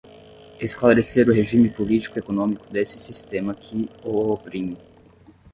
esclarecer o regime político-econômico desse sistema que o oprime